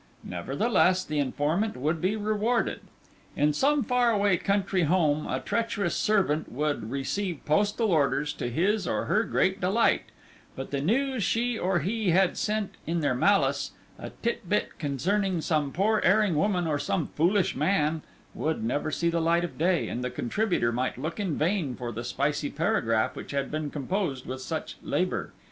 Nevertheless, the informant would be rewarded. In some far away country home a treacherous servant would receive postal orders to his or her great delight, but the news she or he had sent in their malice, a tit bit concerning some poor erring woman or some foolish man, would never see the light of day, and the contributor might look in vain for the spicy paragraph which had been composed with such labour.